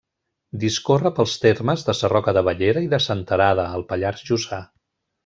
Discorre pels termes de Sarroca de Bellera i de Senterada, al Pallars Jussà.